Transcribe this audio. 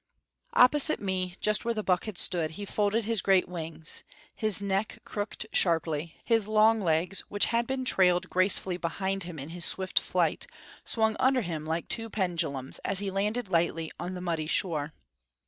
Opposite me, just where the buck had stood, he folded his great wings; his neck crooked sharply; his long legs, which had been trailed gracefully behind him in his swift flight, swung under him like two pendulums as he landed lightly on the muddy shore.